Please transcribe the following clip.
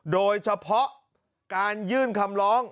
โดยเฉพาะการยื่นคำร้อง